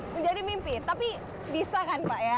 menjadi mimpi tapi bisa kan pak ya